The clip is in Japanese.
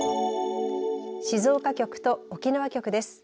静岡局と沖縄局です。